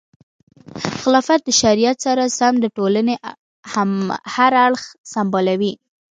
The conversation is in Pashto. خلافت د شریعت سره سم د ټولنې هر اړخ سمبالوي.